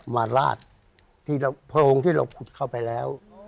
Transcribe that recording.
มาลาดโผล่งที่เราขุดเข้าไปแล้ว